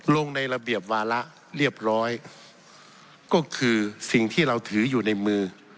ในระเบียบวาระเรียบร้อยก็คือสิ่งที่เราถืออยู่ในมือ